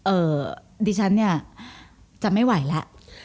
เอ่อดิฉันเนี่ยจะไม่ไหวละ